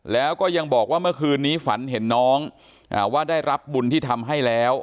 แล้วก็ยังบอกว่าเมื่อคืนนี้ฝันเห็นน้องว่าได้รับบุญที่ทำให้แล้ว